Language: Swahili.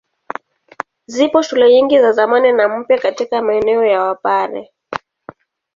Zipo shule nyingi za zamani na mpya katika maeneo ya Wapare.